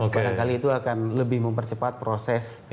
barangkali itu akan lebih mempercepat proses